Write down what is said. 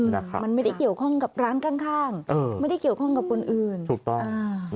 มันไม่ได้เกี่ยวข้องกับร้านข้างไม่ได้เกี่ยวข้องกับคนอื่นถูกต้อง